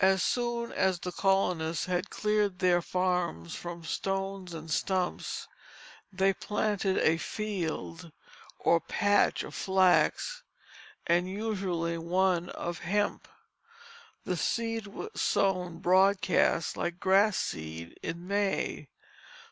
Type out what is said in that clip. As soon as the colonists had cleared their farms from stones and stumps, they planted a field, or "patch" of flax, and usually one of hemp. The seed was sown broadcast like grass seed in May.